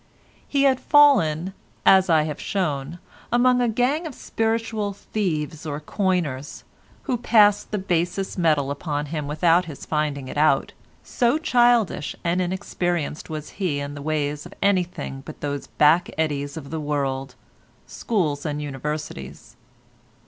He had fallen, as I have shown, among a gang of spiritual thieves or coiners, who passed the basest metal upon him without his finding it out, so childish and inexperienced was he in the ways of anything but those back eddies of the world, schools and universities.